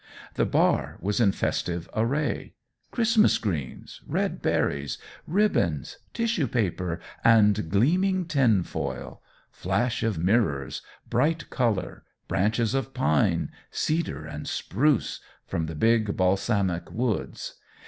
The bar was in festive array: Christmas greens, red berries, ribbons, tissue paper and gleaming tinfoil flash of mirrors, bright colour, branches of pine, cedar and spruce from the big balsamic woods.